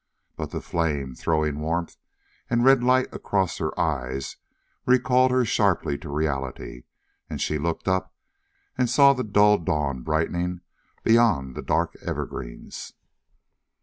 But the flame, throwing warmth and red light across her eyes, recalled her sharply to reality, and she looked up and saw the dull dawn brightening beyond the dark evergreens.